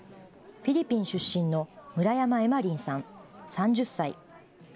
フィリピン出身の村山エマリンさん３０歳。